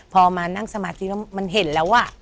พอมานั่งสมาธิแล้วมันเห็นแล้ว